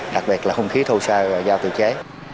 đặc biệt là không khí thô xa giao tự chế